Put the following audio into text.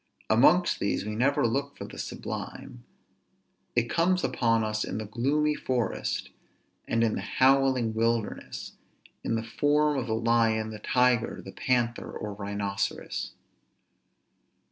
Amongst these we never look for the sublime; it comes upon us in the gloomy forest, and in the howling wilderness, in the form of the lion, the tiger, the panther, or rhinoceros.